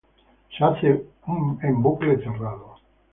Se hace en bucle cerrado.